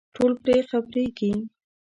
ټول پرې خبرېږي.